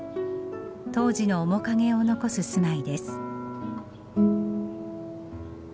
当時の面影を残す住まいです。